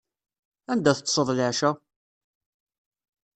Anda teṭṭseḍ leɛca?